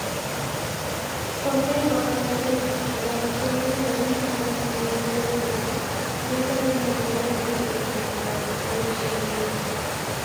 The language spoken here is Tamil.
தொண்டைமானவர்களைப் பற்றி, அவர்களுடன் நெருங்கிப்பழகிய இருவருடைய உரைகள் இந்த நூலை அணி செய்கின்றன, திருஜி.ஸி.